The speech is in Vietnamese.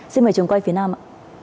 xin mời chồng quay phía nam ạ